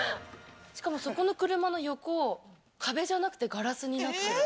そこの車の横、壁じゃなくてガラスになってる！